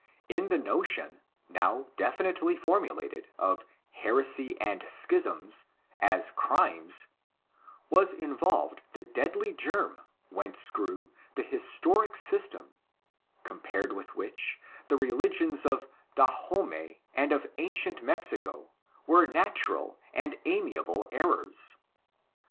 In the notion, now definitely formulated, of '' heresy and schism'' as crimes, was involved the deadly germ whence grew the historic system compared with which the religions of Dahomey and of ancient Mexico were natural and amiable errors.